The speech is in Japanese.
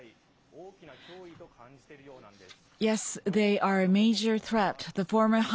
大きな脅威と感じているようなんです。